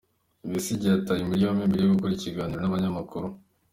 Besigye yatawe muri yombi mbere yo gukora ikiganiro n’abanyamakuru.